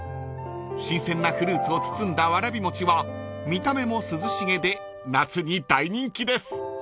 ［新鮮なフルーツを包んだわらび餅は見た目も涼しげで夏に大人気です］